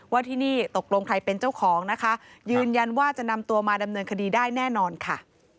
ที่นี่ตกลงใครเป็นเจ้าของนะคะยืนยันว่าจะนำตัวมาดำเนินคดีได้แน่นอนค่ะ